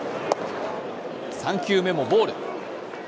３球目もボール。